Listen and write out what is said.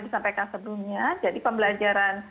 disampaikan sebelumnya jadi pembelajaran